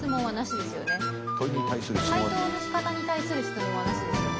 解答のしかたに対する質問はなしですよね？